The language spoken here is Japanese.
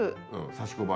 刺し子針。